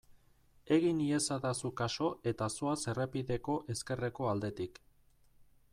Egin iezadazu kasu eta zoaz errepideko ezkerreko aldetik.